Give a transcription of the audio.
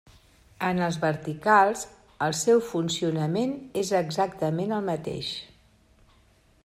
En els verticals, el seu funcionament és exactament el mateix.